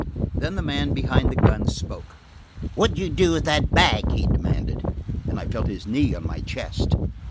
Then the man behind the gun spoke. "What did you do with that bag?" he demanded, and I felt his knee on my chest.